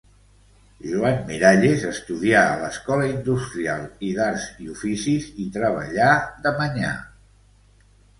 Joan Miralles estudià a l'Escola Industrial i d'Arts i Oficis i treballà de manyà.